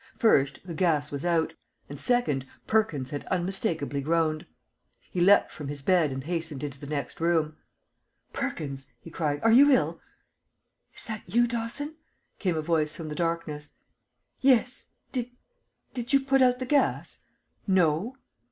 First, the gas was out; and second, Perkins had unmistakably groaned. He leaped from his bed and hastened into the next room. "Perkins," he cried, "are you ill?" "Is that you, Dawson?" came a voice from the darkness. "Yes. Did did you put out the gas?" "No."